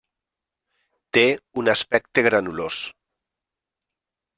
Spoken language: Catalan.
Té un aspecte granulós.